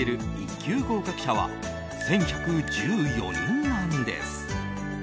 級合格者は１１１４人なんです。